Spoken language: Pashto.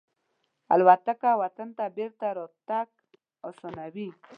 الوتکه وطن ته بېرته راتګ آسانوي.